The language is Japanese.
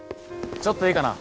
ちょっといいかな？